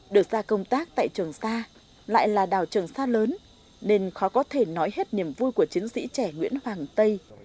được ra công tác tại trường xa lại là đào trường xa lớn nên khó có thể nói hết niềm vui của chiến sĩ trẻ nguyễn hoàng tây